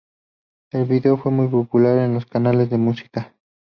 El vídeo fue muy popular en los canales de música.